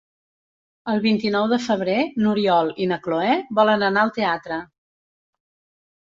El vint-i-nou de febrer n'Oriol i na Cloè volen anar al teatre.